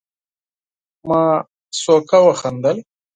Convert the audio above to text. ما ورو وخندل